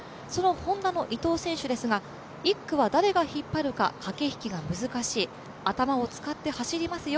そのＨｏｎｄａの伊藤選手ですが、１区は誰が引っ張るか駆け引きが難しい頭を使って走りますよ